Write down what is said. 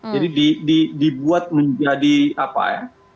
jadi dibuat menjadi apa ya